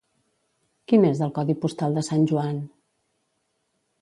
Quin és el codi postal de Sant Joan?